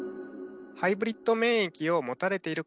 ハイブリッド免疫を持たれている。